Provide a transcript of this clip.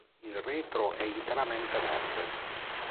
Il retro è interamente verde.